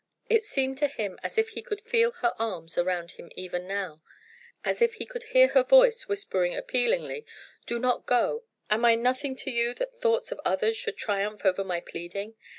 It seemed to him as if he could feel her arms around him even now, as if he could hear her voice whispering appealingly: "Do not go! Am I nothing to you that thoughts of others should triumph over my pleading?